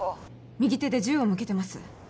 右手で銃を向けてます